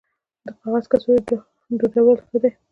د کاغذ کڅوړې دودول ښه دي